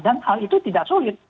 dan hal itu tidak sulit